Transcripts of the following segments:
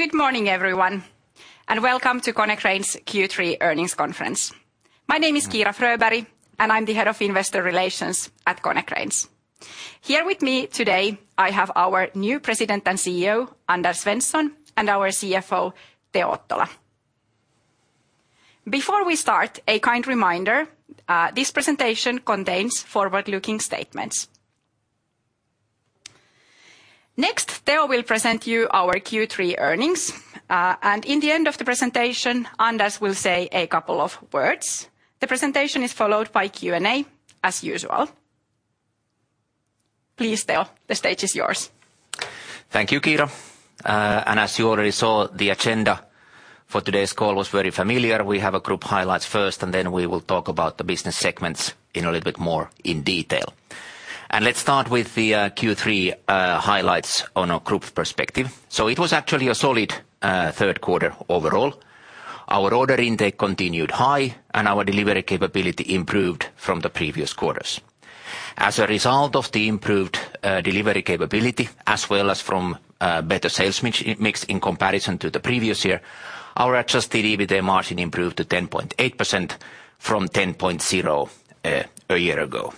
Good morning everyone, and welcome to Konecranes Q3 Earnings Conference. My name is Kiira Fröberg, and I'm the head of investor relations at Konecranes. Here with me today I have our new president and CEO, Anders Svensson, and our CFO, Teo Ottola. Before we start, a kind reminder, this presentation contains forward-looking statements. Next, Teo will present you our Q3 earnings, and in the end of the presentation, Anders will say a couple of words. The presentation is followed by Q&A, as usual. Please Teo, the stage is yours. Thank you, Kiira. As you already saw, the agenda for today's call was very familiar. We have a group highlights first, and then we will talk about the business segments in a little bit more in detail. Let's start with the Q3 highlights on a group perspective. It was actually a solid third quarter overall. Our order intake continued high, and our delivery capability improved from the previous quarters. As a result of the improved delivery capability, as well as from better sales mix in comparison to the previous year, our adjusted EBITA margin improved to 10.8% from 10.0% a year ago.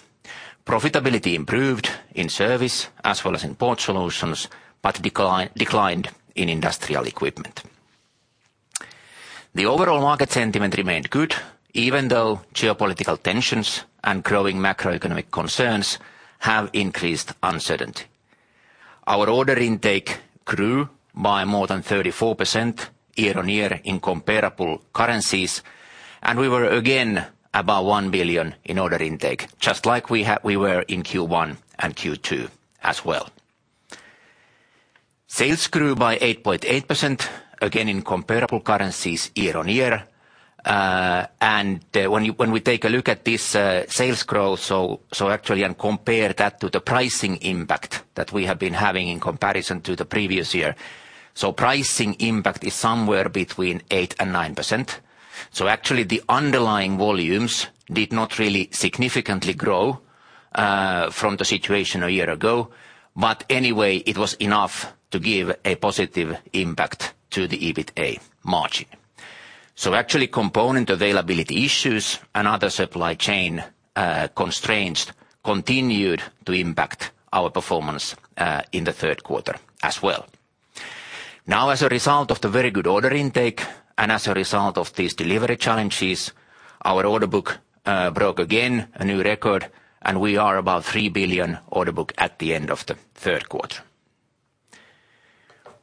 Profitability improved in Service as well as in Port Solutions, but declined in Industrial Equipment. The overall market sentiment remained good, even though geopolitical tensions and growing macroeconomic concerns have increased uncertainty. Our order intake grew by more than 34% year-on-year in comparable currencies, and we were again above 1 billion in order intake, just like we were in Q1 and Q2 as well. Sales grew by 8.8%, again in comparable currencies, year-on-year. When we take a look at this sales growth, actually and compare that to the pricing impact that we have been having in comparison to the previous year. Pricing impact is somewhere between 8% and 9%. Actually the underlying volumes did not really significantly grow from the situation a year ago. Anyway, it was enough to give a positive impact to the EBITA margin. Actually component availability issues and other supply chain constraints continued to impact our performance in the third quarter as well. Now, as a result of the very good order intake, and as a result of these delivery challenges, our order book broke again a new record, and we are about 3 billion order book at the end of the third quarter.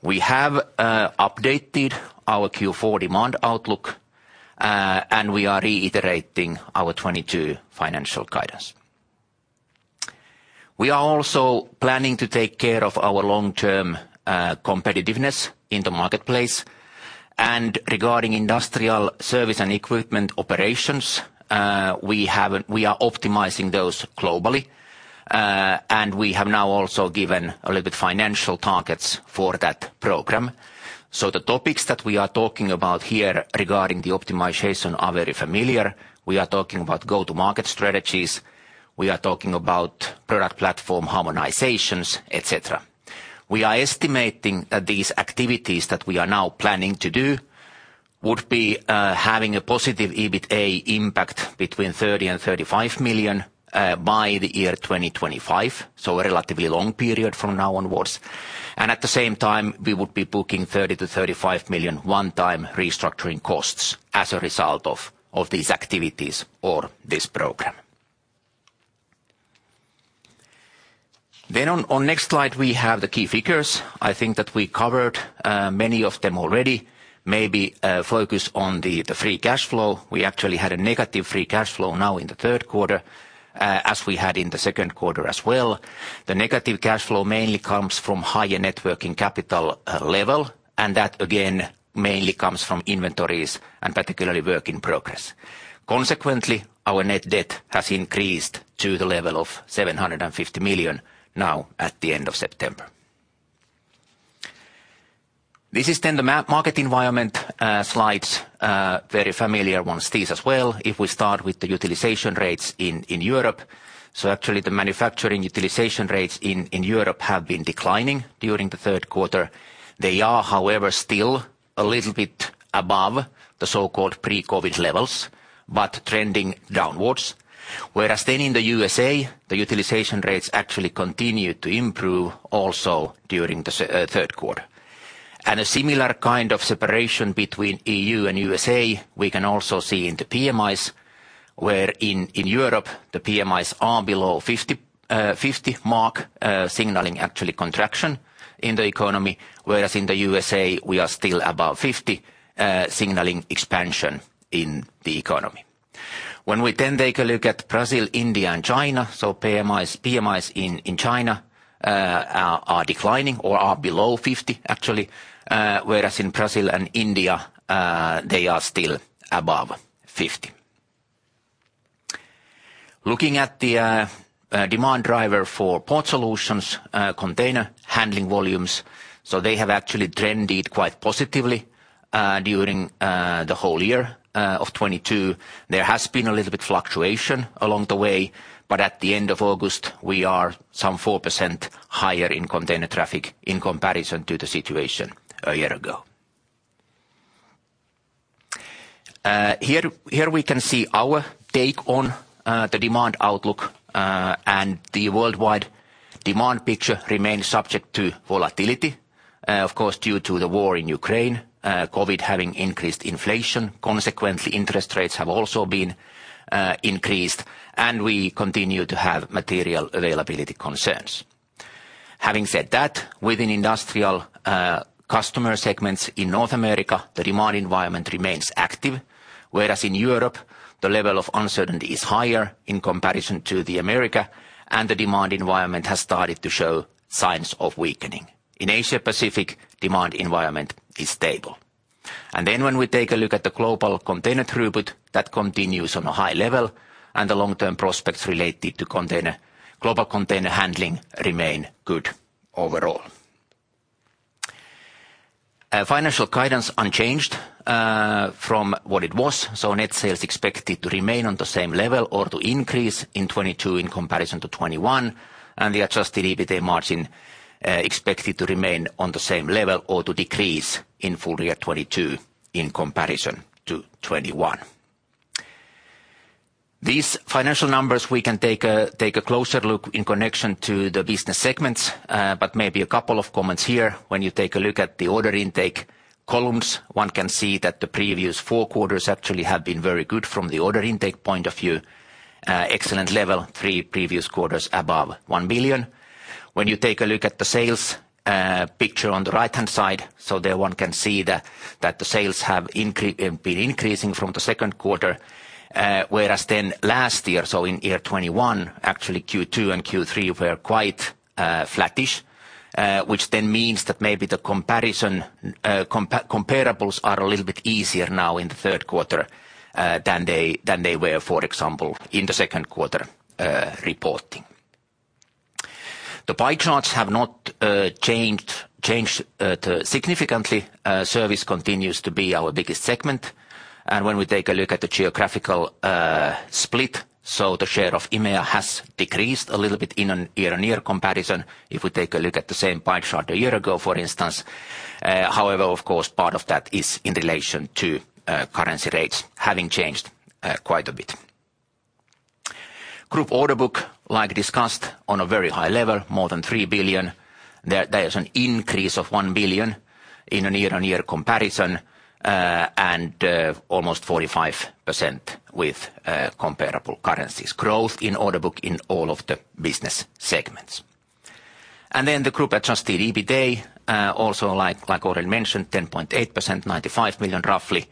We have updated our Q4 demand outlook, and we are reiterating our 2022 financial guidance. We are also planning to take care of our long-term competitiveness in the marketplace. Regarding industrial service and equipment operations, we are optimizing those globally, and we have now also given a little bit financial targets for that program. The topics that we are talking about here regarding the optimization are very familiar. We are talking about go-to-market strategies, we are talking about product platform harmonizations, et cetera. We are estimating that these activities that we are now planning to do would be having a positive EBITA impact between 30 million and 35 million by the year 2025, so a relatively long period from now onwards. At the same time, we would be booking 30 million to 35 million one-time restructuring costs as a result of these activities or this program. On next slide, we have the key figures. I think that we covered many of them already. Maybe focus on the free cash flow. We actually had a negative free cash flow now in the third quarter as we had in the second quarter as well. The negative cash flow mainly comes from higher net working capital level, and that again mainly comes from inventories and particularly work in progress. Consequently, our net debt has increased to the level of 750 million now at the end of September. This is then the market environment slides. Very familiar ones, these as well. If we start with the utilization rates in Europe, actually the manufacturing utilization rates in Europe have been declining during the third quarter. They are, however, still a little bit above the so-called pre-COVID levels, but trending downwards. Whereas then in the USA, the utilization rates actually continued to improve also during the third quarter. A similar kind of separation between EU and USA we can also see in the PMIs, where in Europe the PMIs are below 50, the 50 mark, signaling actually contraction in the economy, whereas in the USA we are still above 50, signaling expansion in the economy. When we take a look at Brazil, India and China, PMIs in China are declining or are below 50 actually, whereas in Brazil and India, they are still above 50. Looking at the demand driver for Port Solutions, container handling volumes, so they have actually trended quite positively during the whole year of 2022. There has been a little bit fluctuation along the way, but at the end of August, we are some 4% higher in container traffic in comparison to the situation a year ago. Here we can see our take on the demand outlook, and the worldwide demand picture remains subject to volatility, of course, due to the war in Ukraine, COVID having increased inflation. Consequently, interest rates have also been increased, and we continue to have material availability concerns. Having said that, within industrial customer segments in North America, the demand environment remains active, whereas in Europe, the level of uncertainty is higher in comparison to the Americas, and the demand environment has started to show signs of weakening. In Asia Pacific, demand environment is stable. When we take a look at the global container throughput, that continues on a high level, and the long-term prospects related to container global container handling remain good overall. Financial guidance unchanged from what it was. Net sales expected to remain on the same level or to increase in 2022 in comparison to 2021, and the adjusted EBITA margin expected to remain on the same level or to decrease in full year 2022 in comparison to 2021. These financial numbers we can take a closer look in connection to the business segments, but maybe a couple of comments here. When you take a look at the order intake columns, one can see that the previous four quarters actually have been very good from the order intake point of view. Excellent level, three previous quarters above 1 billion. When you take a look at the sales picture on the right-hand side, so there one can see that the sales have been increasing from the second quarter, whereas then last year, so in year 2021, actually Q2 and Q3 were quite flattish, which then means that maybe the comparables are a little bit easier now in the third quarter than they were, for example, in the second quarter reporting. The pie charts have not changed significantly. Service continues to be our biggest segment. When we take a look at the geographical split, so the share of EMEA has decreased a little bit in a year-on-year comparison. If we take a look at the same pie chart a year ago, for instance, however, of course, part of that is in relation to currency rates having changed quite a bit. Group order book, like discussed, on a very high level, more than 3 billion. There is an increase of 1 billion in a year-on-year comparison, and almost 45% with comparable currencies. Growth in order book in all of the business segments. Then the group adjusted EBITA, also like already mentioned, 10.8%, 95 million roughly.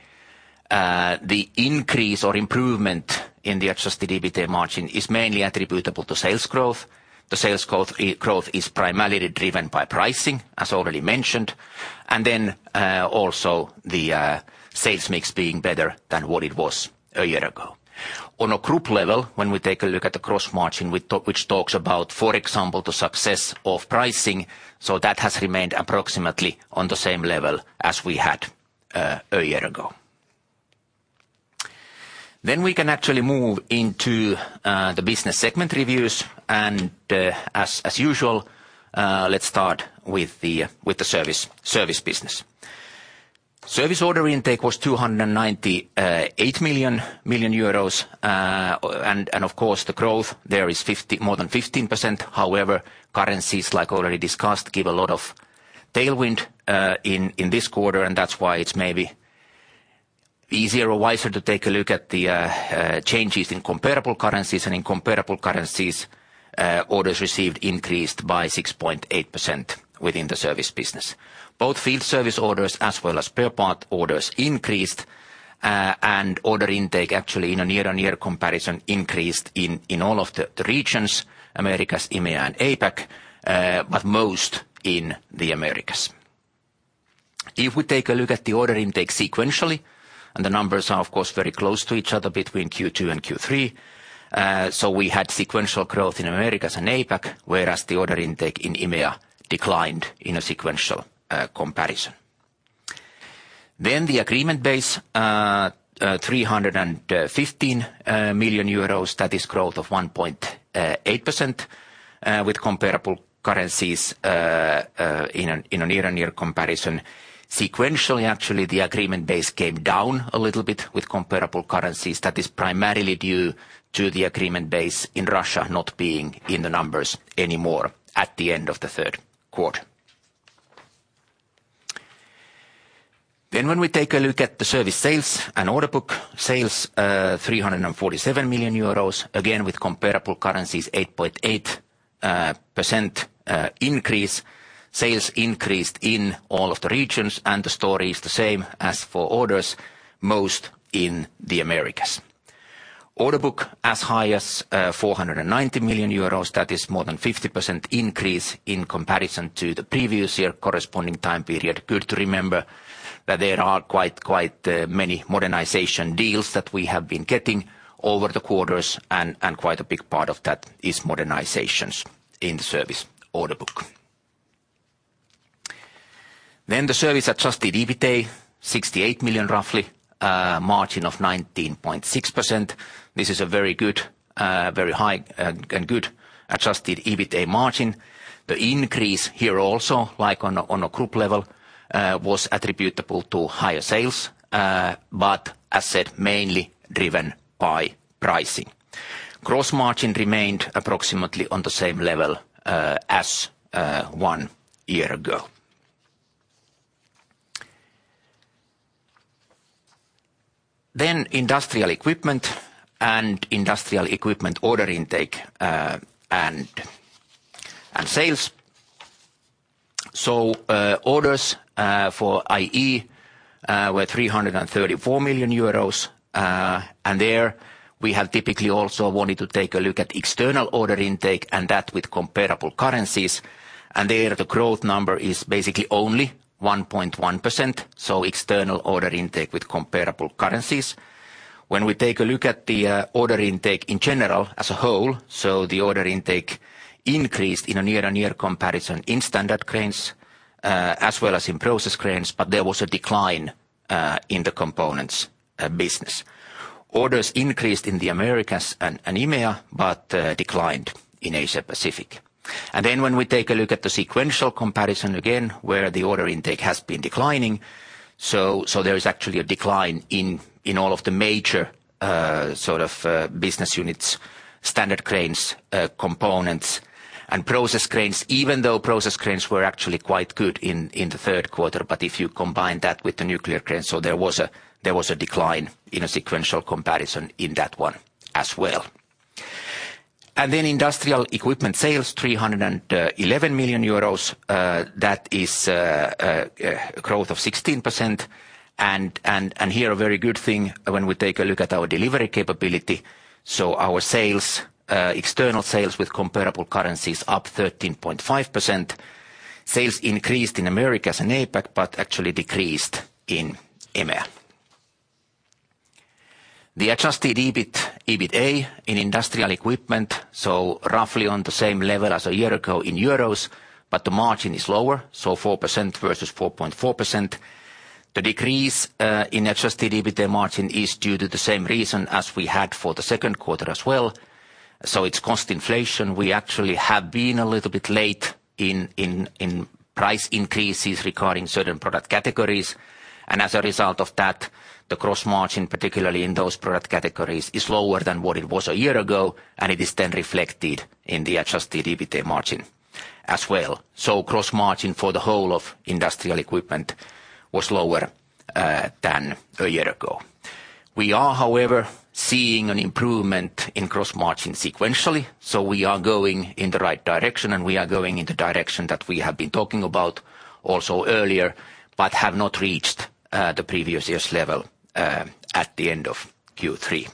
The increase or improvement in the adjusted EBITA margin is mainly attributable to sales growth. The sales growth is primarily driven by pricing, as already mentioned, and then also the sales mix being better than what it was a year ago. On a group level, when we take a look at the gross margin, which talks about, for example, the success of pricing, so that has remained approximately on the same level as we had a year ago. We can actually move into the business segment reviews. As usual, let's start with the service business. Service order intake was 298 million. And of course, the growth there is more than 15%. However, currencies, like already discussed, give a lot of tailwind in this quarter, and that's why it's maybe easier or wiser to take a look at the changes in comparable currencies. In comparable currencies, orders received increased by 6.8% within the service business. Both field service orders as well as spare part orders increased, and order intake actually in a year-on-year comparison increased in all of the regions, Americas, EMEA, and APAC, but most in the Americas. If we take a look at the order intake sequentially, and the numbers are of course very close to each other between Q2 and Q3, so we had sequential growth in Americas and APAC, whereas the order intake in EMEA declined in a sequential comparison. The agreement base, 315 million euros. That is growth of 1.8% with comparable currencies in a year-on-year comparison. Sequentially, actually, the agreement base came down a little bit with comparable currencies. That is primarily due to the agreement base in Russia not being in the numbers anymore at the end of the third quarter. When we take a look at the service sales and order book, sales 347 million euros. Again, with comparable currencies, 8.8% increase. Sales increased in all of the regions, and the story is the same as for orders, most in the Americas. Order book as high as 490 million euros. That is more than 50% increase in comparison to the previous year corresponding time period. Good to remember that there are quite many modernization deals that we have been getting over the quarters, and quite a big part of that is modernizations in the service order book. The service adjusted EBITA, 68 million roughly, margin of 19.6%. This is a very good, very high and good adjusted EBITA margin. The increase here also, like on a group level, was attributable to higher sales, but as said, mainly driven by pricing. Gross margin remained approximately on the same level as one year ago. Industrial Equipment order intake and sales. Orders for IE were EUR 334 million. And there we have typically also wanted to take a look at external order intake and that with comparable currencies. There, the growth number is basically only 1.1%, so external order intake with comparable currencies. When we take a look at the order intake in general as a whole, the order intake increased in a year-over-year comparison in Standard Cranes as well as in Process Cranes, but there was a decline in the Components business. Orders increased in the Americas and EMEA, but declined in Asia Pacific. When we take a look at the sequential comparison again, where the order intake has been declining, there is actually a decline in all of the major business units, Standard Cranes, Components and Process Cranes, even though Process Cranes were actually quite good in the third quarter. If you combine that with the Nuclear Cranes, there was a decline in a sequential comparison in that one as well. Then Industrial Equipment sales, 311 million euros, that is a growth of 16%. Here a very good thing when we take a look at our delivery capability, so our sales, external sales with comparable currencies up 13.5%. Sales increased in Americas and APAC, but actually decreased in EMEA. The adjusted EBITA in Industrial Equipment, so roughly on the same level as a year ago in euros, but the margin is lower, so 4% versus 4.4%. The decrease in adjusted EBITA margin is due to the same reason as we had for the second quarter as well. It's cost inflation. We actually have been a little bit late in price increases regarding certain product categories. As a result of that, the gross margin, particularly in those product categories, is lower than what it was a year ago, and it is then reflected in the adjusted EBITA margin as well. Gross margin for the whole of Industrial Equipment was lower than a year ago. We are, however, seeing an improvement in gross margin sequentially, so we are going in the right direction, and we are going in the direction that we have been talking about also earlier, but have not reached the previous year's level at the end of Q3.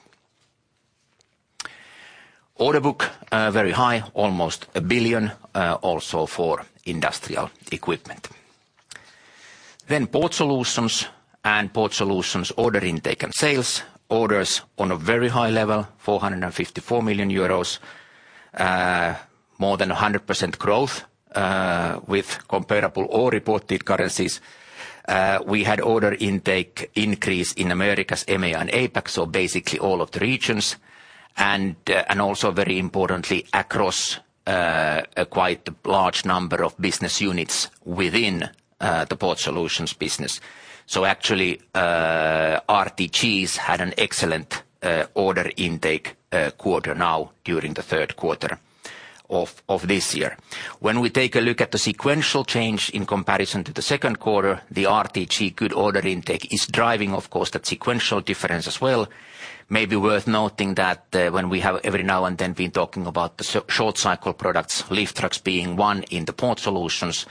Order book very high, almost 1 billion, also for Industrial Equipment. Port Solutions and Port Solutions order intake and sales. Orders on a very high level, 454 million euros. More than 100% growth with comparable or reported currencies. We had order intake increase in Americas, EMEA and APAC, so basically all of the regions. Also very importantly across a quite large number of business units within the Port Solutions business. Actually, RTGs had an excellent order intake quarter now during the third quarter of this year. When we take a look at the sequential change in comparison to the second quarter, the RTGs order intake is driving, of course, that sequential difference as well. Maybe worth noting that when we have every now and then been talking about the short cycle products, lift trucks being one in the Port Solutions.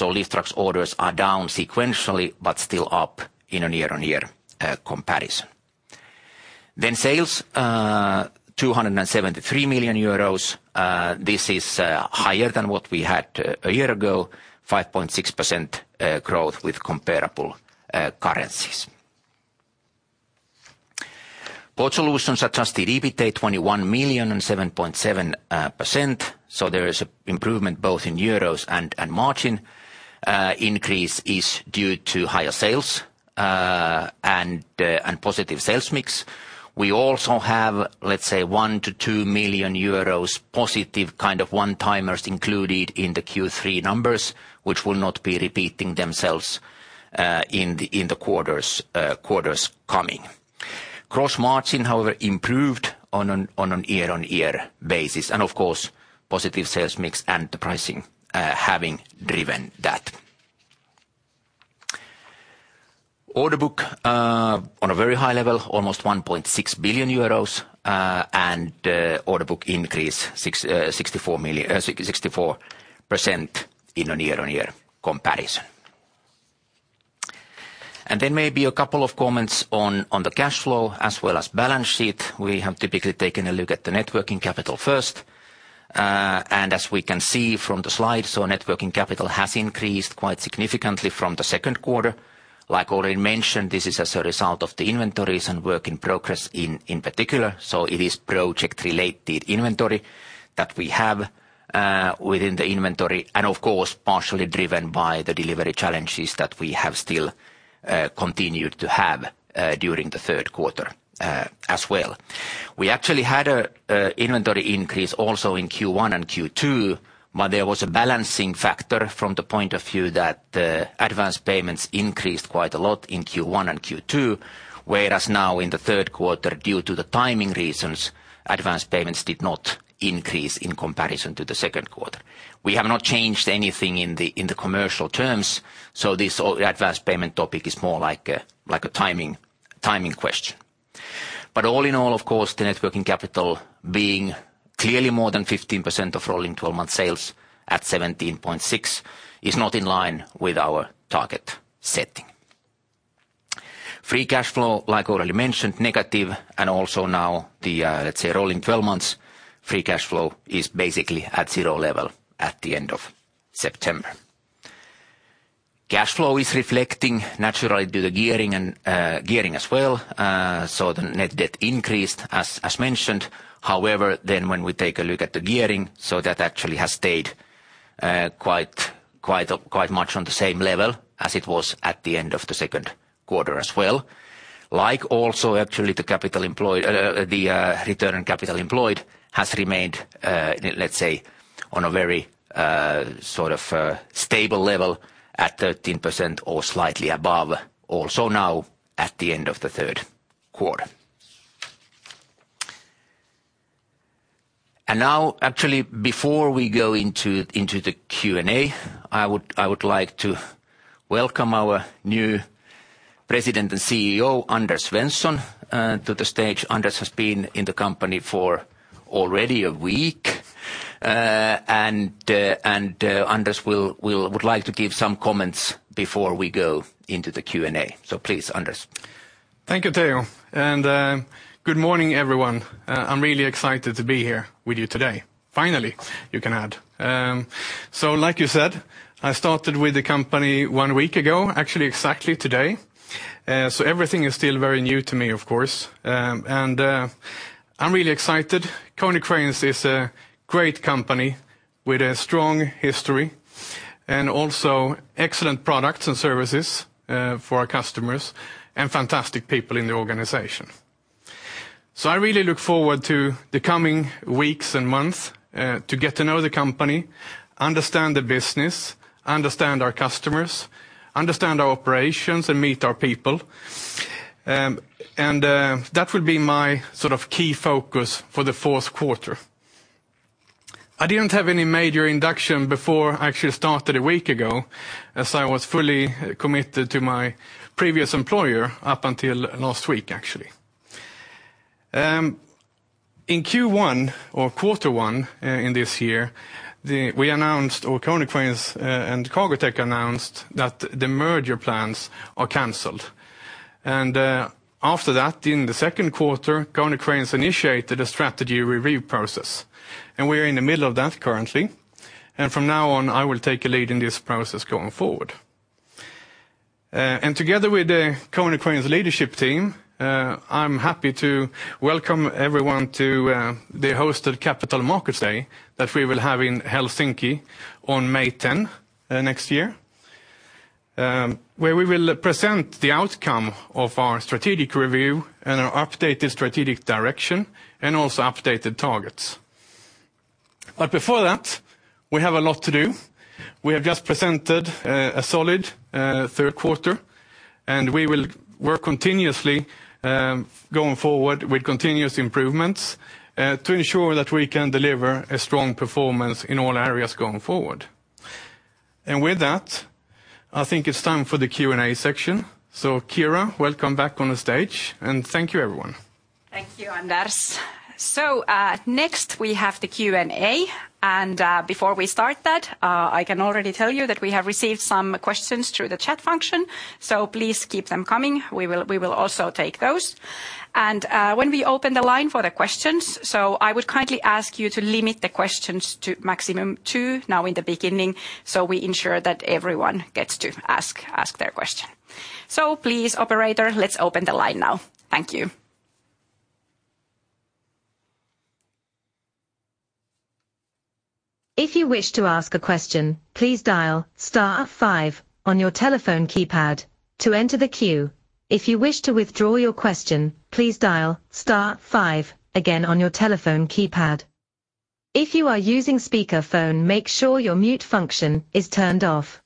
Lift trucks orders are down sequentially, but still up in a year-on-year comparison. Then sales 273 million euros. This is higher than what we had a year ago. 5.6% growth with comparable currencies. Port Solutions adjusted EBITA 21 million and 7.7%, so there is improvement both in euros and margin. Increase is due to higher sales and positive sales mix. We also have, let's say, 1 million-2 million euros positive kind of one-timers included in the Q3 numbers, which will not be repeating themselves in the quarters coming. Gross margin, however, improved on a year-on-year basis. Of course, positive sales mix and the pricing having driven that. Order book on a very high level, almost 1.6 billion euros. Order book increase 64% in a year-on-year comparison. Maybe a couple of comments on the cash flow as well as balance sheet. We have typically taken a look at the net working capital first. As we can see from the slide, net working capital has increased quite significantly from the second quarter. Like already mentioned, this is as a result of the inventories and work in progress in particular. It is project-related inventory that we have within the inventory, and of course, partially driven by the delivery challenges that we have still continued to have during the third quarter as well. We actually had an inventory increase also in Q1 and Q2, but there was a balancing factor from the point of view that the advance payments increased quite a lot in Q1 and Q2, whereas now in the third quarter, due to the timing reasons, advance payments did not increase in comparison to the second quarter. We have not changed anything in the commercial terms, so this whole advance payment topic is more like a timing thing in question. All in all, of course, the net working capital being clearly more than 15% of rolling twelve-month sales at 17.6% is not in line with our target setting. Free cash flow, like already mentioned, negative and also now the, let's say rolling twelve-months free cash flow is basically at zero level at the end of September. Cash flow is reflecting naturally to the gearing and gearing as well. So the net debt increased as mentioned. However, then when we take a look at the gearing, so that actually has stayed quite much on the same level as it was at the end of the second quarter as well. Like also actually the capital employed, the return on capital employed has remained, let's say on a very sort of stable level at 13% or slightly above. Also now at the end of the third quarter. Now actually before we go into the Q&A, I would like to welcome our new President and CEO, Anders Svensson, to the stage. Anders has been in the company for already a week. Anders would like to give some comments before we go into the Q&A. Please, Anders. Thank you Teo, good morning, everyone. I'm really excited to be here with you today. Like you said, I started with the company one week ago, actually, exactly today. Everything is still very new to me, of course. I'm really excited. Konecranes is a great company with a strong history and also excellent products and services for our customers and fantastic people in the organization. I really look forward to the coming weeks and months to get to know the company, understand the business, understand our customers, understand our operations, and meet our people. That will be my sort of key focus for the fourth quarter. I didn't have any major induction before I actually started a week ago, as I was fully committed to my previous employer up until last week, actually. In Q1 or quarter one, in this year, Konecranes and Cargotec announced that the merger plans are canceled. After that, in the second quarter, Konecranes initiated a strategy review process, and we are in the middle of that currently. From now on, I will take a lead in this process going forward. Together with the Konecranes leadership team, I'm happy to welcome everyone to the hosted Capital Markets Day that we will have in Helsinki on May 10 next year, where we will present the outcome of our strategic review and our updated strategic direction and also updated targets. Before that, we have a lot to do. We have just presented a solid third quarter, and we will work continuously going forward with continuous improvements to ensure that we can deliver a strong performance in all areas going forward. With that, I think it's time for the Q&A section. Kiira, welcome back on the stage and thank you everyone. Thank you, Anders. Next we have the Q&A. Before we start that, I can already tell you that we have received some questions through the chat function, so please keep them coming. We will also take those. When we open the line for the questions, I would kindly ask you to limit the questions to maximum two now in the beginning, so we ensure that everyone gets to ask their question. Please, operator, let's open the line now. Thank you. If you wish to ask a question, please dial star five on your telephone keypad to enter the queue. If you wish to withdraw your question, please dial star five again on your telephone keypad. If you are using speakerphone, make sure your mute function is turned off.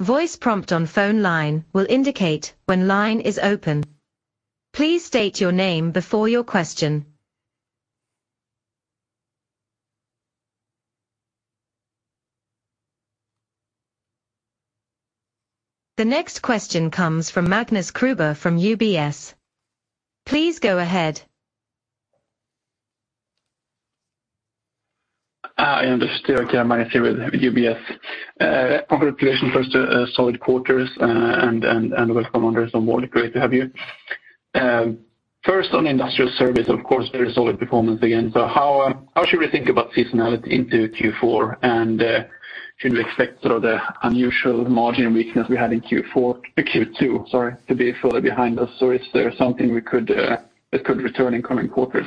Voice prompt on phone line will indicate when line is open. Please state your name before your question. The next question comes from Magnus Kruber from UBS. Please go ahead. Hi, Anders. Magnus here with UBS. Congratulations first, solid quarters, and welcome Anders on board. Great to have you. First on industrial service, of course, very solid performance again. How should we think about seasonality into Q4? Should we expect sort of the unusual margin weakness we had in Q4, Q2, sorry, to be further behind us, or is there something that could return in coming quarters?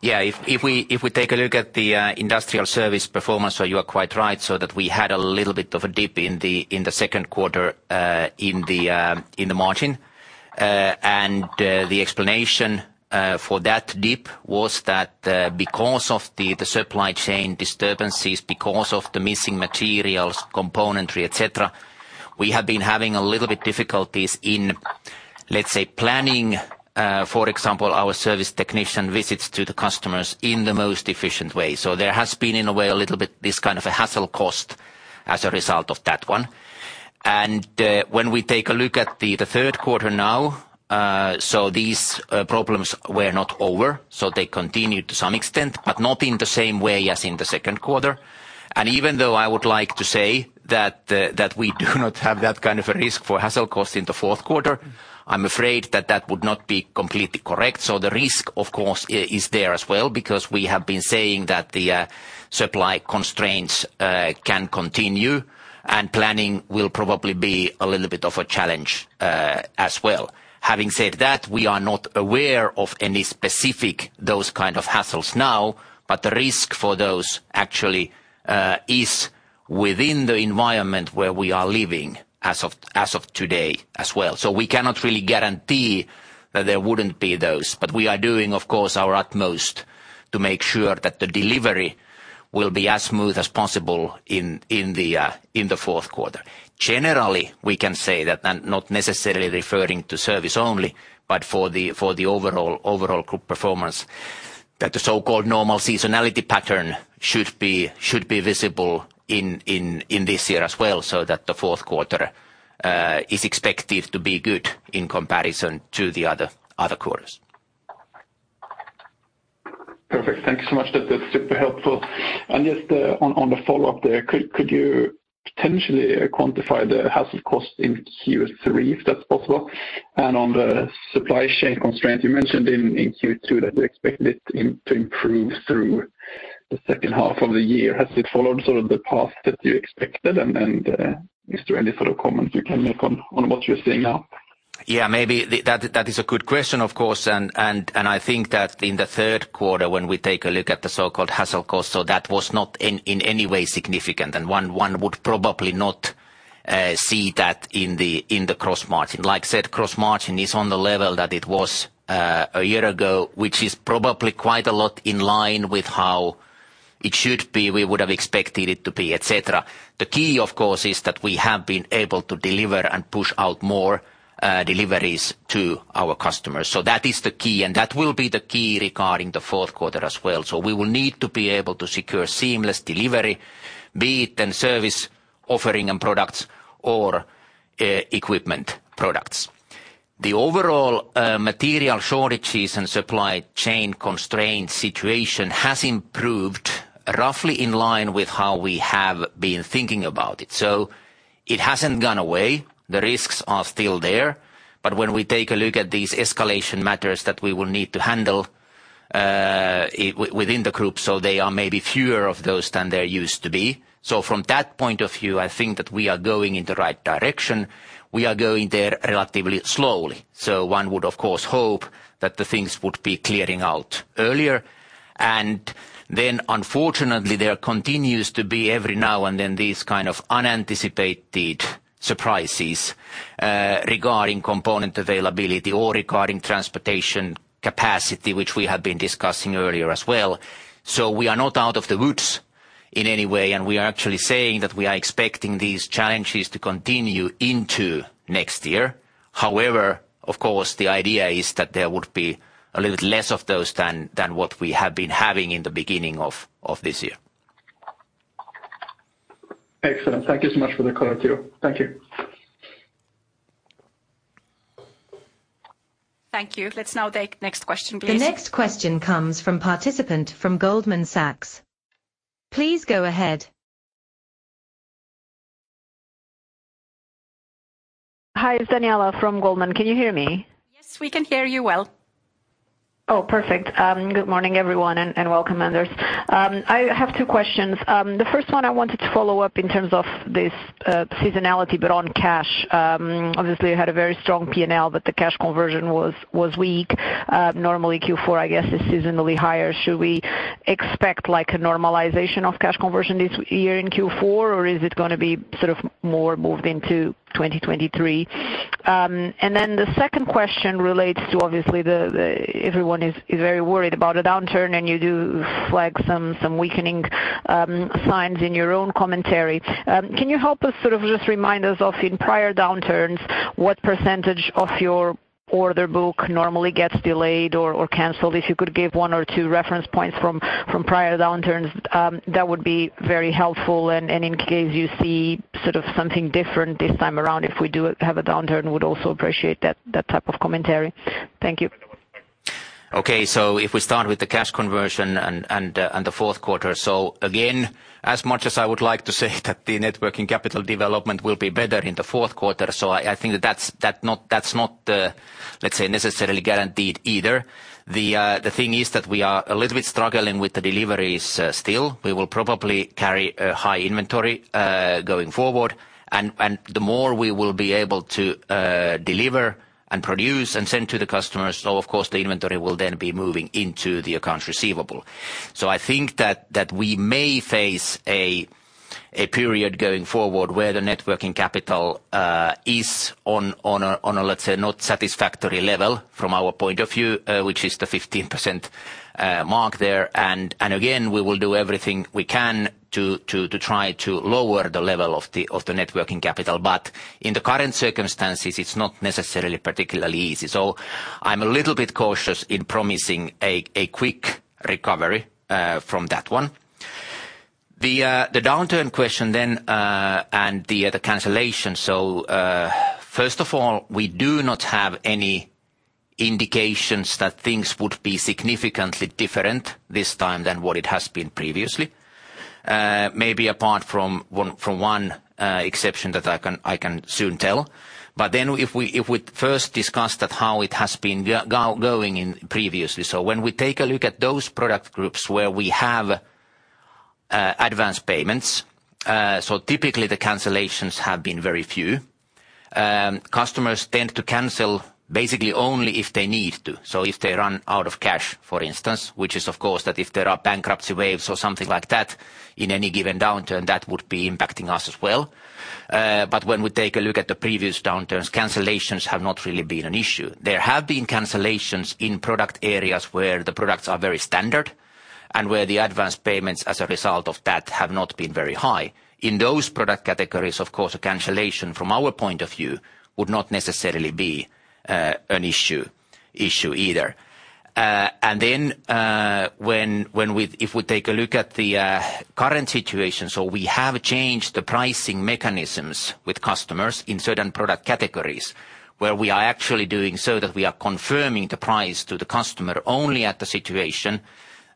Yeah. If we take a look at the industrial service performance, you are quite right, so that we had a little bit of a dip in the second quarter in the margin. The explanation for that dip was that because of the supply chain disturbances, because of the missing materials, components, et cetera, we have been having a little bit difficulties in. Let's say planning, for example, our service technician visits to the customers in the most efficient way. There has been in a way a little bit this kind of a hassle cost as a result of that one. When we take a look at the third quarter now, these problems were not over, so they continued to some extent, but not in the same way as in the second quarter. Even though I would like to say that we do not have that kind of a risk for hassle costs in the fourth quarter, I'm afraid that that would not be completely correct. The risk, of course, is there as well because we have been saying that the supply constraints can continue and planning will probably be a little bit of a challenge, as well. Having said that, we are not aware of any specific those kind of hassles now, but the risk for those actually is within the environment where we are living as of today as well. We cannot really guarantee that there wouldn't be those, but we are doing, of course, our utmost to make sure that the delivery will be as smooth as possible in the fourth quarter. Generally, we can say that, and not necessarily referring to service only, but for the overall group performance that the so-called normal seasonality pattern should be visible in this year as well, so that the fourth quarter is expected to be good in comparison to the other quarters. Perfect. Thank you so much. That's super helpful. Just on the follow-up there, could you potentially quantify the hassle cost in Q3 if that's possible? On the supply chain constraints, you mentioned in Q2 that you expect it to improve through the second half of the year. Has it followed sort of the path that you expected and is there any sort of comments you can make on what you're seeing now? Yeah, maybe that is a good question, of course. I think that in the third quarter when we take a look at the so-called hassle cost, that was not in any way significant and one would probably not see that in the gross margin. Like I said, gross margin is on the level that it was a year ago, which is probably quite a lot in line with how it should be, we would have expected it to be, et cetera. The key, of course, is that we have been able to deliver and push out more deliveries to our customers. That is the key, and that will be the key regarding the fourth quarter as well. We will need to be able to secure seamless delivery, be it in service, offering and products or, equipment products. The overall, material shortages and supply chain constraint situation has improved roughly in line with how we have been thinking about it. It hasn't gone away. The risks are still there. When we take a look at these escalation matters that we will need to handle, within the group, they are maybe fewer of those than there used to be. From that point of view, I think that we are going in the right direction. We are going there relatively slowly. One would, of course, hope that the things would be clearing out earlier. Unfortunately, there continues to be every now and then these kind of unanticipated surprises regarding component availability or regarding transportation capacity, which we have been discussing earlier as well. We are not out of the woods in any way, and we are actually saying that we are expecting these challenges to continue into next year. However, of course, the idea is that there would be a little less of those than what we have been having in the beginning of this year. Excellent. Thank you so much for the clarity. Thank you. Thank you. Let's now take next question, please. The next question comes from participant from Goldman Sachs. Please go ahead. Hi, it's Daniella from Goldman. Can you hear me? Yes, we can hear you well. Oh, perfect. Good morning, everyone, and welcome, Anders. I have two questions. The first one I wanted to follow up in terms of this seasonality but on cash. Obviously, you had a very strong P&L, but the cash conversion was weak. Normally Q4, I guess, is seasonally higher. Should we expect like a normalization of cash conversion this year in Q4, or is it gonna be sort of more moved into 2023? The second question relates to obviously everyone is very worried about a downturn and you do flag some weakening signs in your own commentary. Can you help us sort of just remind us of in prior downturns what percentage of your order book normally gets delayed or canceled? If you could give one or two reference points from prior downturns, that would be very helpful. In case you see sort of something different this time around, if we do have a downturn, would also appreciate that type of commentary. Thank you. If we start with the cash conversion and the fourth quarter. Again, as much as I would like to say that the net working capital development will be better in the fourth quarter, I think that's not necessarily guaranteed either. The thing is that we are a little bit struggling with the deliveries still. We will probably carry a high inventory going forward. The more we will be able to deliver and produce and send to the customers, of course, the inventory will then be moving into the accounts receivable. I think that we may face a period going forward where the net working capital is on a, let's say, not satisfactory level from our point of view, which is the 15% mark there. Again, we will do everything we can to try to lower the level of the net working capital. In the current circumstances, it's not necessarily particularly easy. I'm a little bit cautious in promising a quick recovery from that one. The downturn question then, and the cancellation. First of all, we do not have any indications that things would be significantly different this time than what it has been previously. Maybe apart from one exception that I can soon tell. If we first discuss that how it has been going in previously. When we take a look at those product groups where we have advanced payments, so typically the cancellations have been very few. Customers tend to cancel basically only if they need to. If they run out of cash, for instance, which is, of course, that if there are bankruptcy waves or something like that in any given downturn, that would be impacting us as well. When we take a look at the previous downturns, cancellations have not really been an issue. There have been cancellations in product areas where the products are very standard and where the advanced payments as a result of that have not been very high. In those product categories, of course, a cancellation from our point of view would not necessarily be an issue either. If we take a look at the current situation, we have changed the pricing mechanisms with customers in certain product categories. We are actually doing so that we are confirming the price to the customer only at the situation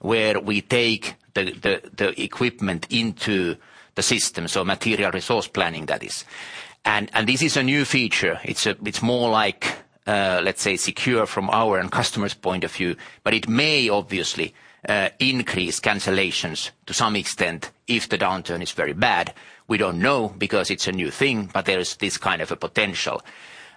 where we take the equipment into the system, so material requirements planning, that is. This is a new feature. It's more like, let's say, secure from our and customer's point of view, but it may obviously increase cancellations to some extent if the downturn is very bad. We don't know because it's a new thing, but there is this kind of a potential.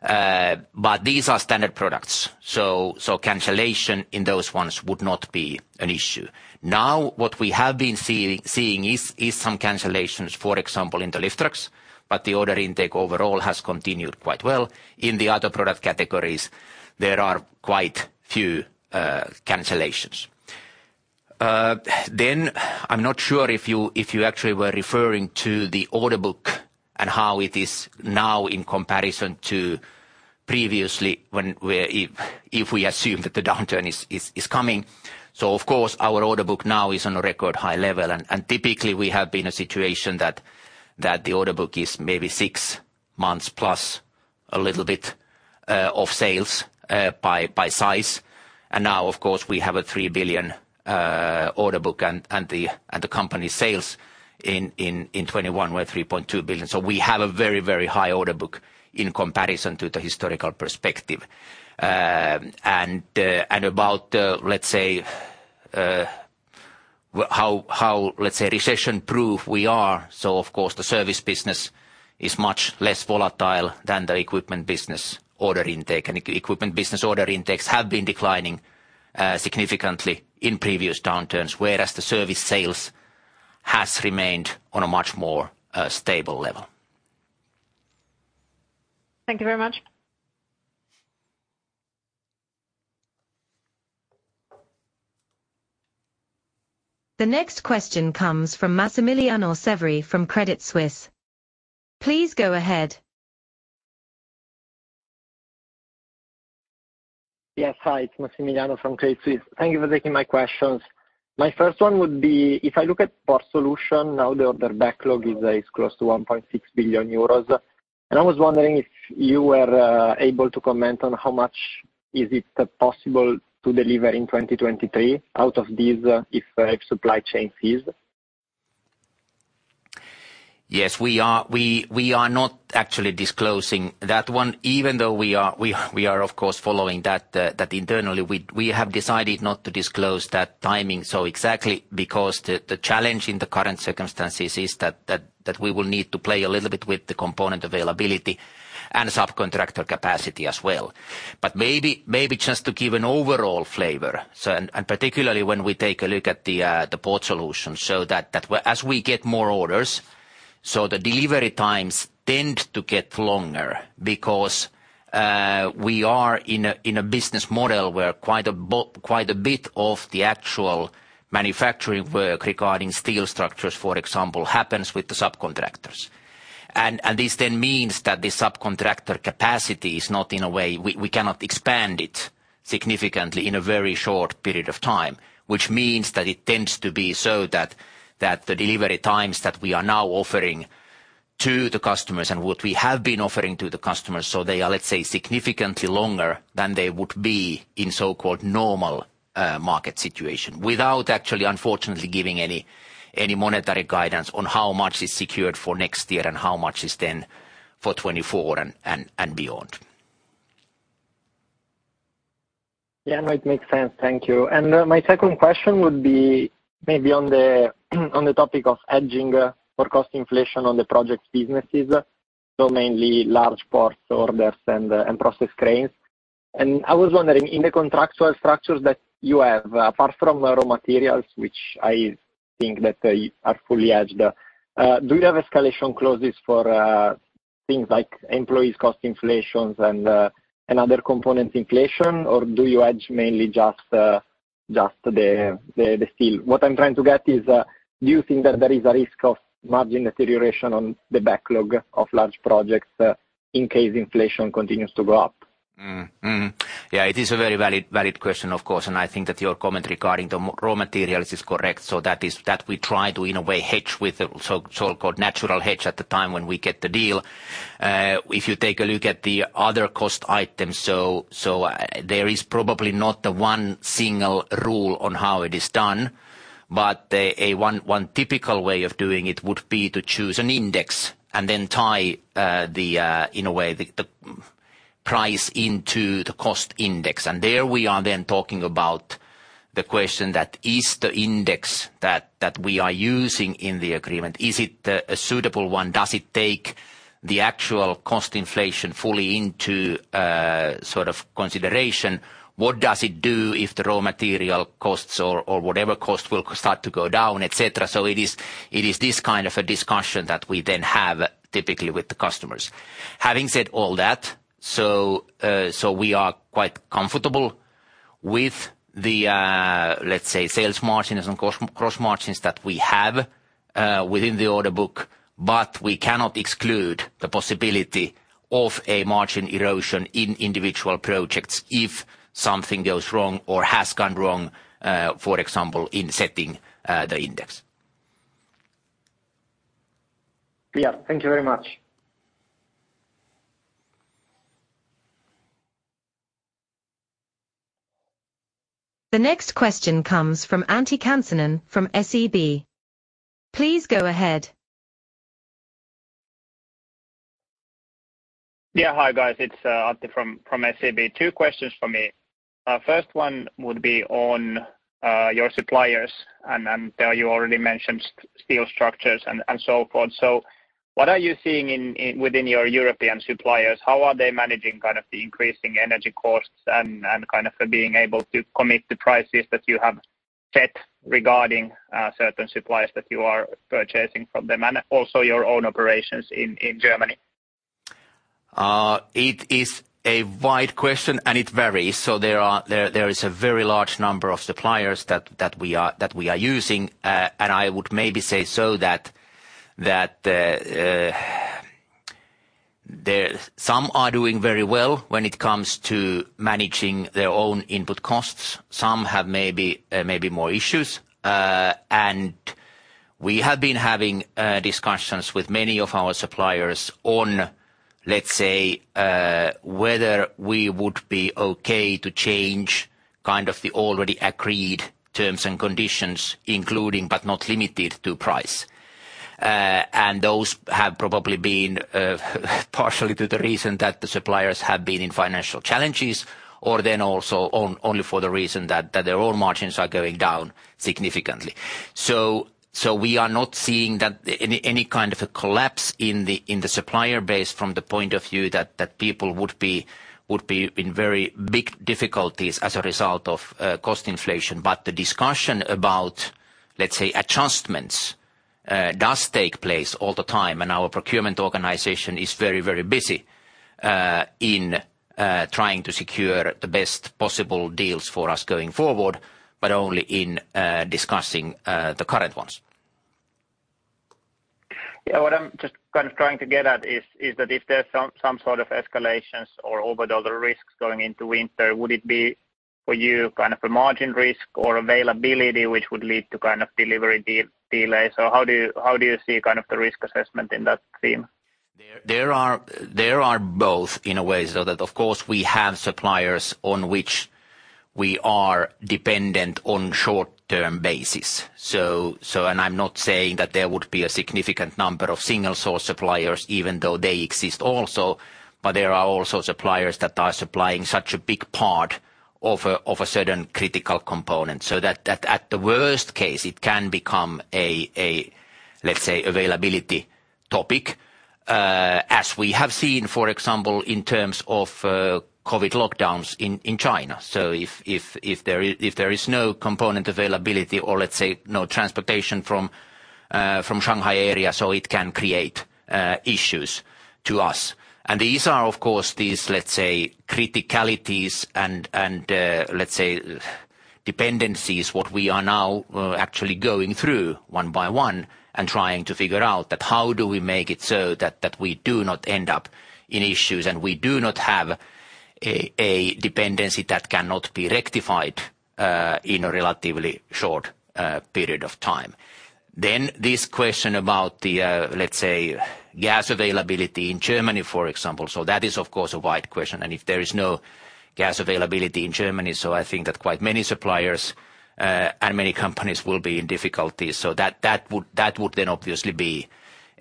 These are standard products, so cancellation in those ones would not be an issue. Now, what we have been seeing is some cancellations, for example, in the lift trucks, but the order intake overall has continued quite well. In the other product categories, there are quite few cancellations. I'm not sure if you actually were referring to the order book and how it is now in comparison to previously if we assume that the downturn is coming. Of course our order book now is on a record high level, and typically we have been in a situation that the order book is maybe six months plus a little bit of sales by size. Now, of course, we have a 3 billion order book and the company sales in 2021 were 3.2 billion. We have a very high order book in comparison to the historical perspective. And about, let's say, well, how, let's say, recession-proof we are. Of course, the service business is much less volatile than the equipment business order intake. Equipment business order intakes have been declining significantly in previous downturns, whereas the service sales has remained on a much more stable level. Thank you very much. The next question comes from Massimiliano Severi from Credit Suisse. Please go ahead. Yes. Hi, it's Massimiliano from Credit Suisse. Thank you for taking my questions. My first one would be, if I look at Port Solutions, now, their backlog is close to 1.6 billion euros. I was wondering if you were able to comment on how much is it possible to deliver in 2023 out of these if supply chain issues? Yes, we are not actually disclosing that one. Even though we are of course following that internally, we have decided not to disclose that timing so exactly. Because the challenge in the current circumstances is that we will need to play a little bit with the component availability and subcontractor capacity as well. Maybe just to give an overall flavor, and particularly when we take a look at the Port Solutions, so that as we get more orders, so the delivery times tend to get longer because we are in a business model where quite a bit of the actual manufacturing work regarding steel structures, for example, happens with the subcontractors. This then means that the subcontractor capacity is not in a way we cannot expand it significantly in a very short period of time. Which means that it tends to be so that the delivery times that we are now offering to the customers and what we have been offering to the customers, so they are, let's say, significantly longer than they would be in so-called normal market situation. Without actually unfortunately giving any monetary guidance on how much is secured for next year and how much is then for 2024 and beyond. Yeah. No, it makes sense. Thank you. My second question would be maybe on the topic of hedging for cost inflation on the project businesses, so mainly large ports orders and Process Cranes. I was wondering, in the contractual structures that you have, apart from raw materials, which I think that they are fully hedged, do you have escalation clauses for things like employees' cost inflations and other components inflation? Or do you hedge mainly just the steel? What I'm trying to get is, do you think that there is a risk of margin deterioration on the backlog of large projects, in case inflation continues to go up? Yeah, it is a very valid question, of course. I think that your comment regarding the raw materials is correct. That is that we try to, in a way, hedge with the so-called natural hedge at the time when we get the deal. If you take a look at the other cost items. There is probably not the one single rule on how it is done. A one typical way of doing it would be to choose an index and then tie in a way the price into the cost index. There we are then talking about the question that is the index that we are using in the agreement. Is it a suitable one? Does it take the actual cost inflation fully into sort of consideration? What does it do if the raw material costs or whatever costs will start to go down, et cetera? It is this kind of a discussion that we then have typically with the customers. Having said all that, we are quite comfortable with the, let's say, sales margins and gross margins that we have within the order book. But we cannot exclude the possibility of a margin erosion in individual projects if something goes wrong or has gone wrong, for example, in setting the index. Yeah. Thank you very much. The next question comes from Antti Kansanen from SEB. Please go ahead. Yeah. Hi, guys. It's Antti from SEB. Two questions from me. First one would be on your suppliers. There you already mentioned steel structures and so forth. What are you seeing within your European suppliers? How are they managing kind of the increasing energy costs and kind of being able to commit the prices that you have set regarding certain suppliers that you are purchasing from them, and also your own operations in Germany? It is a wide question, and it varies. There is a very large number of suppliers that we are using. I would maybe say so that some are doing very well when it comes to managing their own input costs. Some have maybe more issues. We have been having discussions with many of our suppliers on, let's say, whether we would be okay to change kind of the already agreed terms and conditions, including but not limited to price. Those have probably been partially to the reason that the suppliers have been in financial challenges or then also only for the reason that their own margins are going down significantly. We are not seeing any kind of a collapse in the supplier base from the point of view that people would be in very big difficulties as a result of cost inflation. The discussion about, let's say, adjustments does take place all the time. Our procurement organization is very busy in trying to secure the best possible deals for us going forward, but only in discussing the current ones. Yeah. What I'm just kind of trying to get at is that if there's some sort of escalations or other risks going into winter, would it be for you kind of a margin risk or availability which would lead to kind of delivery delay? How do you see kind of the risk assessment in that theme? There are both in a way. Of course, we have suppliers on which we are dependent on a short-term basis. I'm not saying that there would be a significant number of single source suppliers even though they exist also. There are also suppliers that are supplying such a big part of a certain critical component. That at the worst case, it can become a, let's say, availability topic, as we have seen, for example, in terms of COVID lockdowns in China. If there is no component availability or let's say no transportation from the Shanghai area, it can create issues to us. These are, of course, these, let's say, criticalities and let's say dependencies, what we are now actually going through one by one and trying to figure out that how do we make it so that we do not end up in issues and we do not have a dependency that cannot be rectified in a relatively short period of time. This question about the, let's say, gas availability in Germany, for example. That is, of course, a wide question. If there is no gas availability in Germany, I think that quite many suppliers and many companies will be in difficulty. That would then obviously be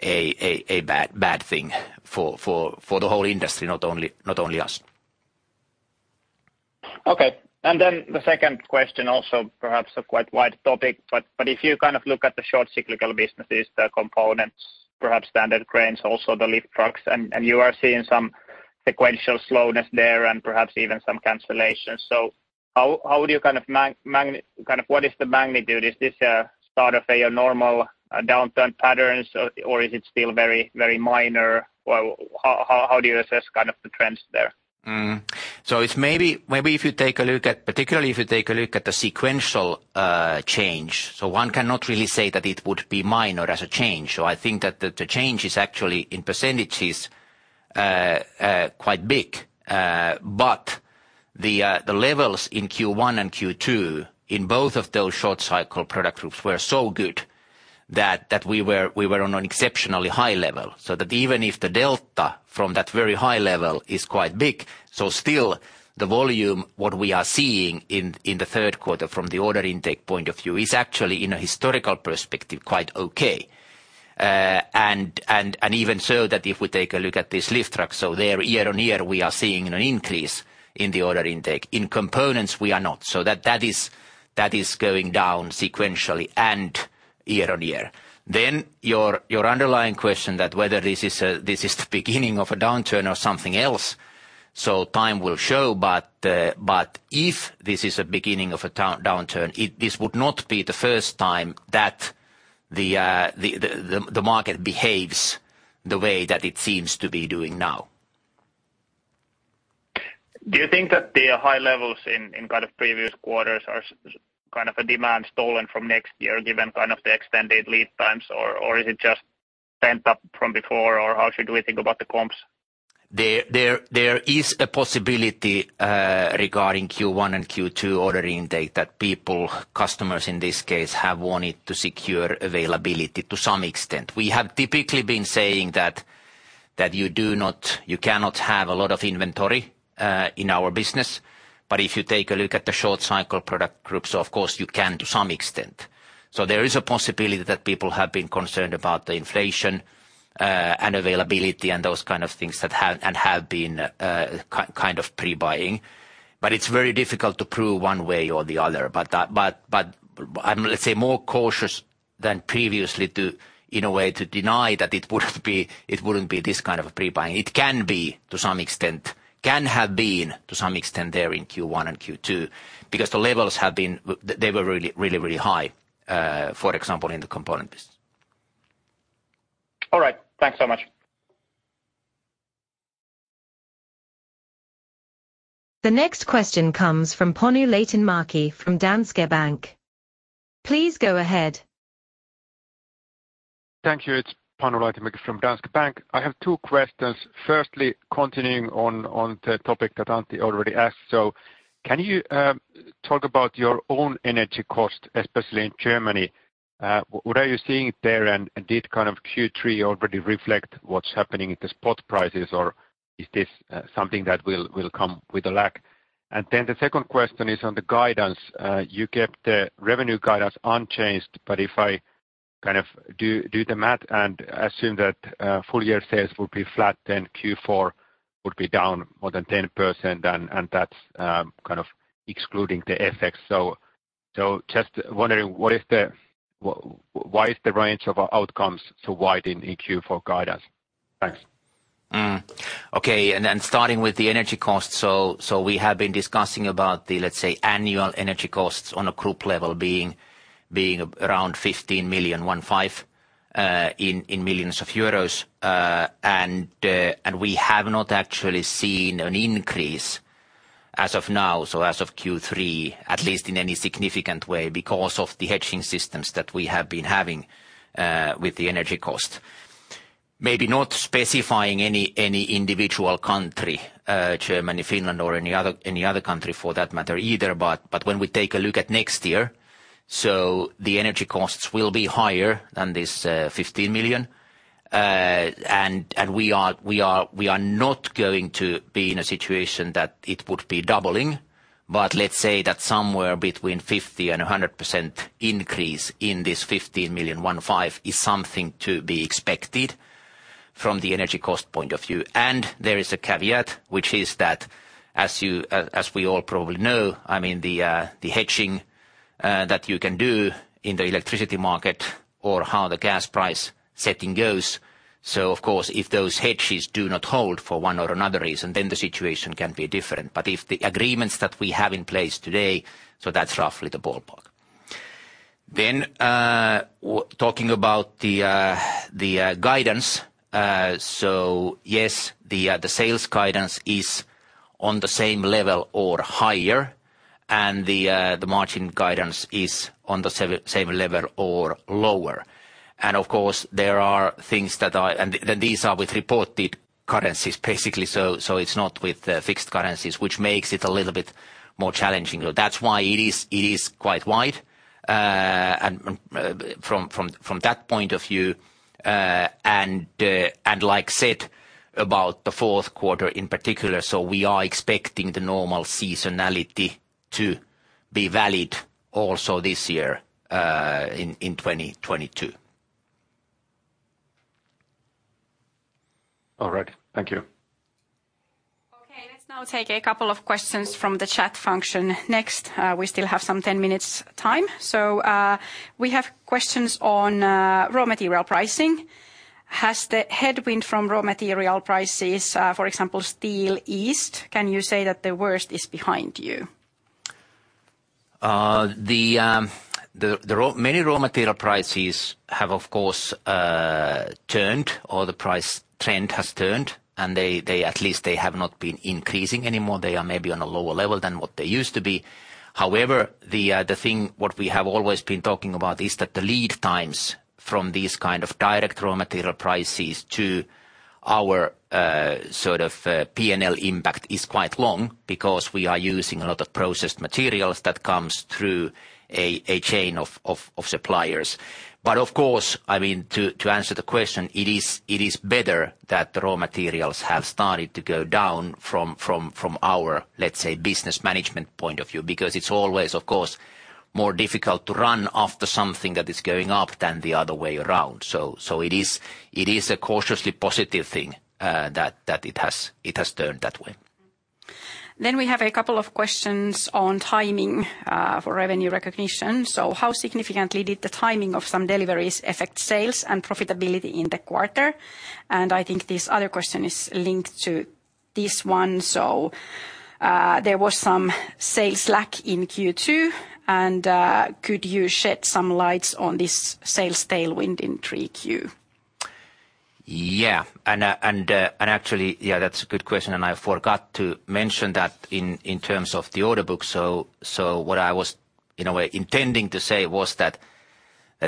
a bad thing for the whole industry, not only us. Okay. Then the second question also, perhaps a quite wide topic, but if you kind of look at the short-cycle businesses, the components, perhaps Standard Cranes, also the lift trucks, and you are seeing some sequential slowness there and perhaps even some cancellations. How would you kind of what is the magnitude? Is this start of a normal downturn patterns or is it still very, very minor? Or how do you assess kind of the trends there? It's maybe if you take a look at the sequential change, one cannot really say that it would be minor as a change. I think that the change is actually in percentages quite big. But the levels in Q1 and Q2 in both of those short cycle product groups were so good that we were on an exceptionally high level, so that even if the delta from that very high level is quite big, still the volume what we are seeing in the third quarter from the order intake point of view is actually in a historical perspective quite okay. Even so that if we take a look at this lift truck, so there year on year, we are seeing an increase in the order intake. In components, we are not. That is going down sequentially and year on year. Your underlying question that whether this is the beginning of a downturn or something else, so time will show. If this is a beginning of a downturn, this would not be the first time that the market behaves the way that it seems to be doing now. Do you think that the high levels in kind of previous quarters are kind of a demand stolen from next year given kind of the extended lead times? Or is it just pent up from before, or how should we think about the comps? There is a possibility regarding Q1 and Q2 order intake that people, customers in this case, have wanted to secure availability to some extent. We have typically been saying that you cannot have a lot of inventory in our business. If you take a look at the short cycle product groups, of course you can to some extent. There is a possibility that people have been concerned about the inflation and availability and those kind of things that have been kind of pre-buying. It's very difficult to prove one way or the other. I'm, let's say, more cautious than previously in a way to deny that it wouldn't be this kind of a pre-buying. It can be to some extent, can have been to some extent there in Q1 and Q2, because the levels have been. They were really high, for example in the component business. All right. Thanks so much. The next question comes from Panu Lehtimäki from Danske Bank. Please go ahead. Thank you. It's Panu Lehtimäki from Danske Bank. I have two questions. Firstly, continuing on the topic that Antti already asked. Can you talk about your own energy cost, especially in Germany? What are you seeing there? And did kind of Q3 already reflect what's happening at the spot prices, or is this something that will come with a lag? The second question is on the guidance. You kept the revenue guidance unchanged, but if I kind of do the math and assume that full year sales will be flat, then Q4 would be down more than 10%. That's kind of excluding the FX. Just wondering why is the range of outcomes so wide in Q4 guidance? Thanks. Mm. Okay. Starting with the energy cost. We have been discussing about the, let's say, annual energy costs on a group level being around 15 million in millions of euros. We have not actually seen an increase as of now, as of Q3, at least in any significant way because of the hedging systems that we have been having with the energy cost. Maybe not specifying any individual country, Germany, Finland, or any other country for that matter either, but when we take a look at next year, the energy costs will be higher than this 15 million. We are not going to be in a situation that it would be doubling. Let's say that somewhere between 50%-100% increase in this 15 million, 15 is something to be expected from the energy cost point of view. There is a caveat, which is that as we all probably know, I mean, the hedging that you can do in the electricity market or how the gas price setting goes, so of course, if those hedges do not hold for one or another reason, then the situation can be different. If the agreements that we have in place today, so that's roughly the ballpark. Talking about the guidance. Yes, the sales guidance is on the same level or higher, and the margin guidance is on the same level or lower. Of course, there are things that are. Then these are with reported currencies basically. So it's not with fixed currencies, which makes it a little bit more challenging. So that's why it is quite wide, and from that point of view. And like said about the fourth quarter in particular, so we are expecting the normal seasonality to be valid also this year, in 2022. All right. Thank you. Okay. Let's now take a couple of questions from the chat function next. We still have some 10 minutes time. We have questions on raw material pricing. Has the headwind from raw material prices, for example, steel eased? Can you say that the worst is behind you? Many raw material prices have, of course, turned, or the price trend has turned, and they at least have not been increasing anymore. They are maybe on a lower level than what they used to be. However, the thing what we have always been talking about is that the lead times from these kind of direct raw material prices to our sort of P&L impact is quite long because we are using a lot of processed materials that comes through a chain of suppliers. Of course, I mean, to answer the question, it is better that the raw materials have started to go down from our, let's say, business management point of view. Because it's always, of course, more difficult to run after something that is going up than the other way around. It is a cautiously positive thing that it has turned that way. We have a couple of questions on timing for revenue recognition. How significantly did the timing of some deliveries affect sales and profitability in the quarter? I think this other question is linked to this one. There was some sales lag in Q2, and could you shed some light on this sales tailwind in Q3? Yeah. Actually, yeah, that's a good question. I forgot to mention that in terms of the order book. What I was, in a way, intending to say was that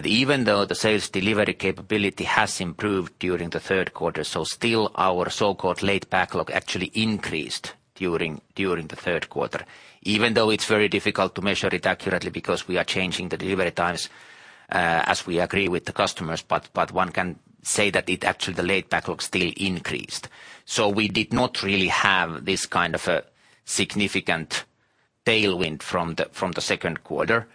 even though the sales delivery capability has improved during the third quarter, still our so-called late backlog actually increased during the third quarter, even though it's very difficult to measure it accurately because we are changing the delivery times as we agree with the customers. One can say that it actually, the late backlog still increased. We did not really have this kind of a significant tailwind from the second quarter.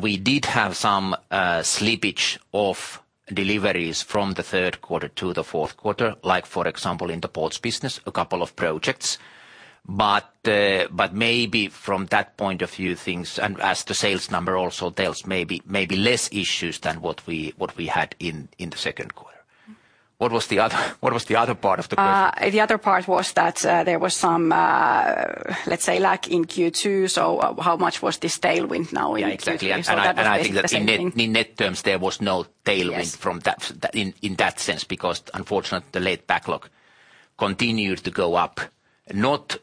We did have some slippage of deliveries from the third quarter to the fourth quarter, like, for example, in the ports business, a couple of projects. Maybe from that point of view, things and as the sales number also tells, maybe less issues than what we had in the second quarter. What was the other? What was the other part of the question? The other part was that there was some, let's say, lack in Q2, so how much was this tailwind now in Q3? Exactly. That was basically the same thing. I think that in net terms, there was no tailwind. Yes From that, in that sense, because unfortunately, the late backlog continued to go up, not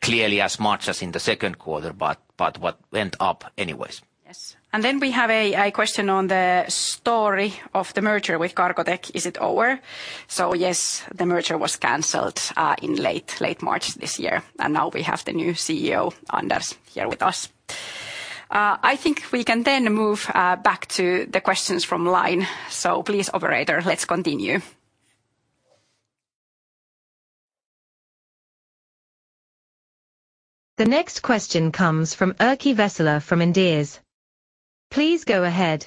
clearly as much as in the second quarter, but what went up anyways. Yes. Then we have a question on the story of the merger with Cargotec. Is it over? Yes, the merger was canceled in late March this year, and now we have the new CEO, Anders, here with us. I think we can then move back to the questions from line. Please, operator, let's continue. The next question comes from Erkki Vesola from Inderes. Please go ahead.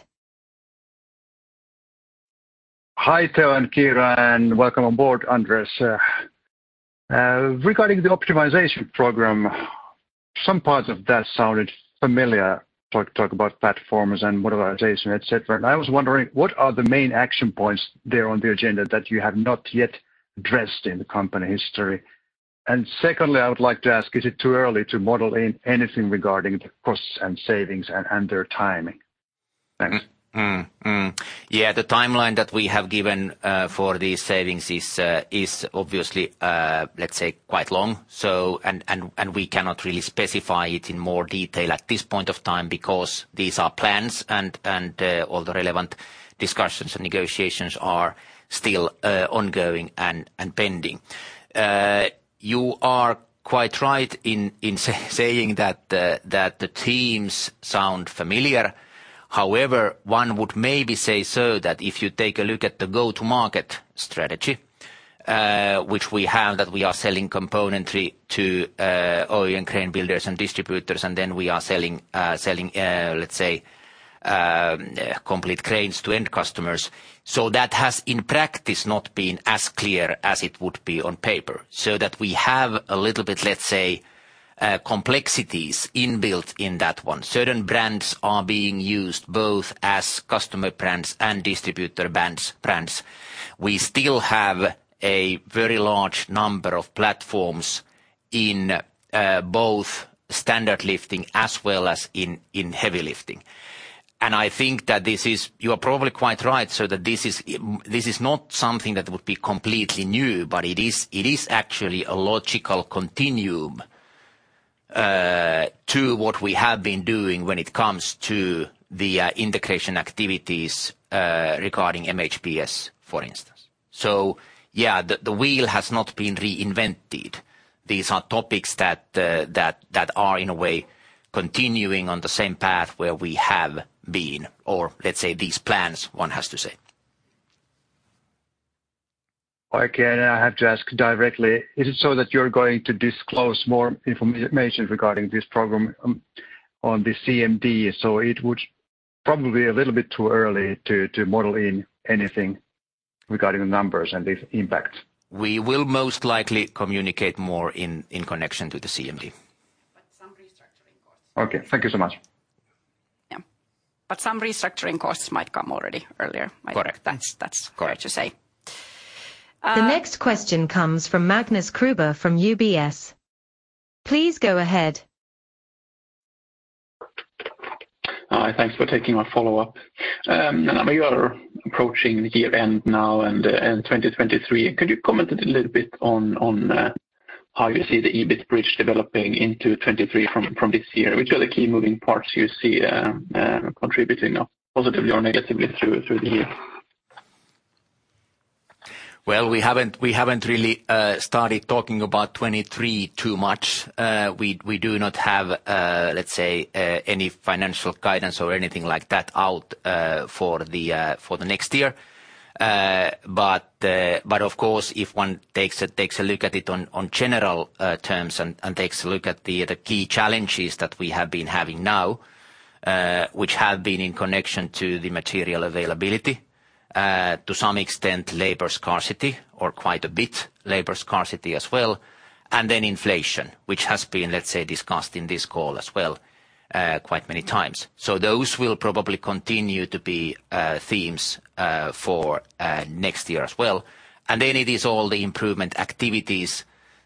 Hi, Teo and Kiira, and welcome aboard, Anders. Regarding the optimization program, some parts of that sounded familiar, like talk about platforms and modernization, et cetera. I was wondering, what are the main action points there on the agenda that you have not yet addressed in the company history? Secondly, I would like to ask, is it too early to model in anything regarding the costs and savings and their timing? Thanks. The timeline that we have given for these savings is obviously, let's say, quite long. We cannot really specify it in more detail at this point of time because these are plans and all the relevant discussions and negotiations are still ongoing and pending. You are quite right in saying that the teams sound familiar. However, one would maybe say so that if you take a look at the go-to-market strategy which we have, that we are selling componentry to OEM crane builders and distributors, and then we are selling, let's say, complete cranes to end customers. That has, in practice, not been as clear as it would be on paper, so that we have a little bit, let's say, complexities inbuilt in that one. Certain brands are being used both as customer brands and distributor brands. We still have a very large number of platforms in both standard lifting as well as in heavy lifting. I think that you are probably quite right, so that this is not something that would be completely new, but it is actually a logical continuum to what we have been doing when it comes to the integration activities regarding MHPS, for instance. Yeah, the wheel has not been reinvented. These are topics that are in a way continuing on the same path where we have been, or let's say these plans, one has to say. Okay. I have to ask directly, is it so that you're going to disclose more information regarding this program on the CMD? Probably a little bit too early to model in anything regarding the numbers and the impact. We will most likely communicate more in connection to the CMD. Some restructuring costs. Okay, thank you so much. Yeah. Some restructuring costs might come already earlier. Correct. That's. Correct. Fair to say. The next question comes from Magnus Kruber from UBS. Please go ahead. Hi, thanks for taking my follow-up. Now we are approaching the year-end now and 2023. Could you comment a little bit on how you see the EBIT bridge developing into 2023 from this year? Which are the key moving parts you see contributing now positively or negatively through the year? Well, we haven't really started talking about 2023 too much. We do not have, let's say, any financial guidance or anything like that out for the next year. Of course, if one takes a look at it on general terms and takes a look at the key challenges that we have been having now, which have been in connection to the material availability, to some extent labor scarcity or quite a bit labor scarcity as well, and then inflation, which has been, let's say, discussed in this call as well, quite many times. Those will probably continue to be themes for next year as well. It is all the improvement activities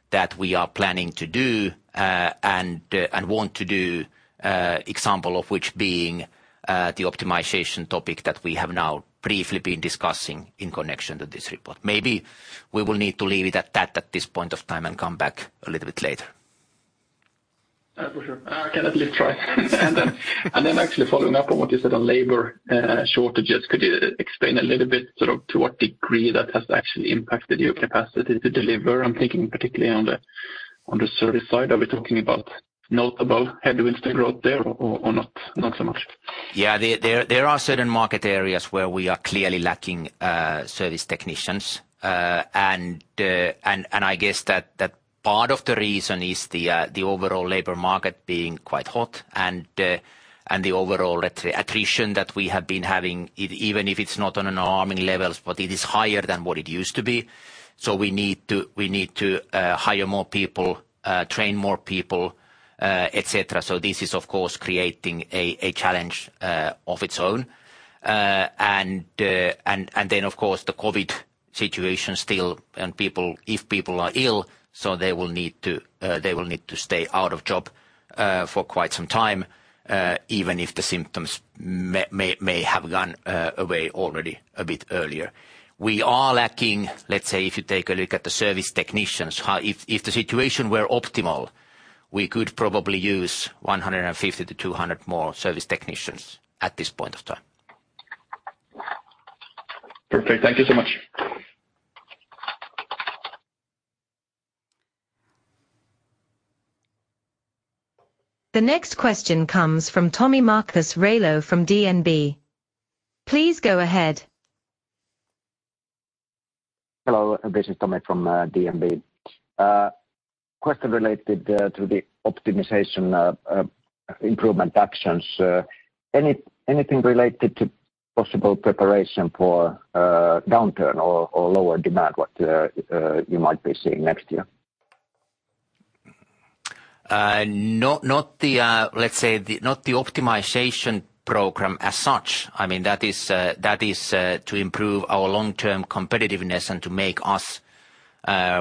that we are planning to do, and want to do, example of which being the optimization topic that we have now briefly been discussing in connection to this report. Maybe we will need to leave it at that at this point of time and come back a little bit later. Yeah, for sure. I can at least try. Then actually following up on what you said on labor shortages, could you explain a little bit sort of to what degree that has actually impacted your capacity to deliver? I'm thinking particularly on the service side. Are we talking about notable headwind still out there or not so much? Yeah. There are certain market areas where we are clearly lacking service technicians. I guess that part of the reason is the overall labor market being quite hot and the overall attrition that we have been having even if it's not on an alarming levels, but it is higher than what it used to be. We need to hire more people, train more people, et cetera. This is, of course, creating a challenge of its own. Of course, the COVID situation still, and if people are ill, they will need to stay out of job for quite some time, even if the symptoms may have gone away already a bit earlier. We are lacking. Let's say if you take a look at the service technicians, if the situation were optimal, we could probably use 150-200 more service technicians at this point of time. Perfect. Thank you so much. The next question comes from Tomi Railo from DNB. Please go ahead. Hello. This is Tommy from DNB. Question related to the optimization improvement actions. Anything related to possible preparation for a downturn or lower demand, what you might be seeing next year? Not the optimization program as such. I mean, that is to improve our long-term competitiveness and to make us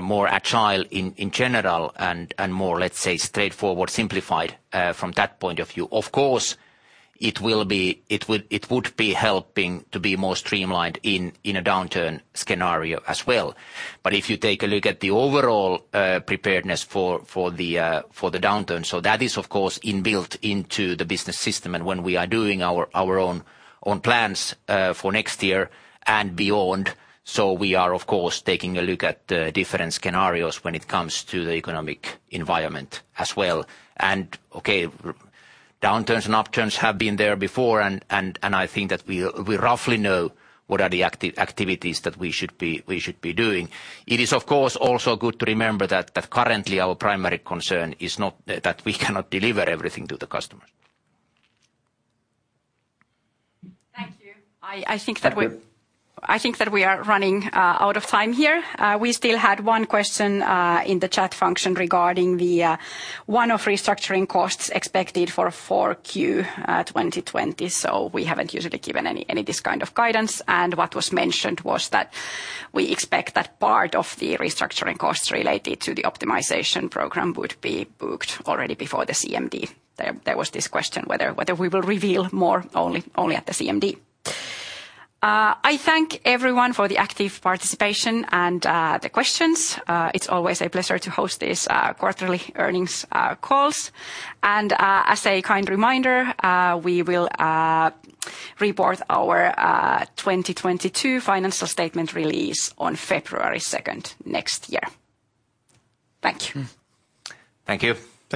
more agile in general and more, let's say, straightforward, simplified from that point of view. Of course, it would be helping to be more streamlined in a downturn scenario as well. But if you take a look at the overall preparedness for the downturn, so that is, of course, inbuilt into the business system. When we are doing our own plans for next year and beyond, we are, of course, taking a look at the different scenarios when it comes to the economic environment as well. Okay, downturns and upturns have been there before and I think that we roughly know what are the activities that we should be doing. It is, of course, also good to remember that currently our primary concern is not that we cannot deliver everything to the customers. Thank you. I think that. Thank you. I think that we are running out of time here. We still had one question in the chat function regarding the one-off restructuring costs expected for Q4 2020. We haven't usually given any of this kind of guidance. What was mentioned was that we expect that part of the restructuring costs related to the optimization program would be booked already before the CMD. There was this question whether we will reveal more only at the CMD. I thank everyone for the active participation and the questions. It's always a pleasure to host these quarterly earnings calls. As a kind reminder, we will report our 2022 financial statement release on February 2 next year. Thank you. Thank you.